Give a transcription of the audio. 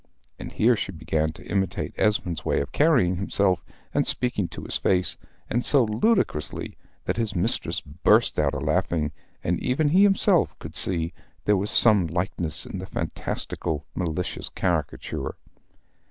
And here she began to imitate Esmond's way of carrying himself and speaking to his face, and so ludicrously that his mistress burst out a laughing, and even he himself could see there was some likeness in the fantastical malicious caricature.